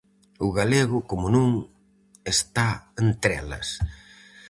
O galego, como non, está entre elas.